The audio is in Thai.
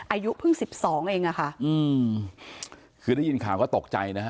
อายุเพิ่งสิบสองเองอ่ะค่ะอืมคือได้ยินข่าวก็ตกใจนะฮะ